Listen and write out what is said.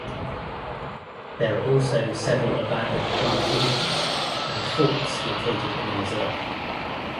There are also several abandoned plantations and forts located in the reserve.